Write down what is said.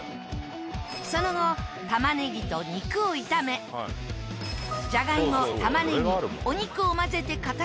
その後玉ねぎと肉を炒めじゃがいも玉ねぎお肉を混ぜて形を整え。